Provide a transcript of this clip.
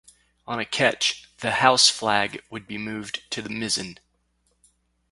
On a ketch, the house flag would be moved to the mizzen.